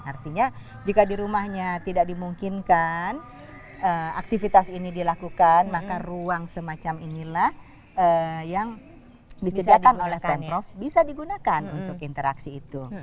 artinya jika di rumahnya tidak dimungkinkan aktivitas ini dilakukan maka ruang semacam inilah yang disediakan oleh pemprov bisa digunakan untuk interaksi itu